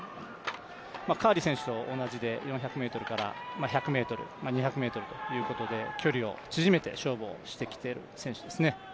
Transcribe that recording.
カーリー選手と同じで４００ｍから１００ｍ、２００ｍということで距離を縮めて勝負をしてきてる選手ですね。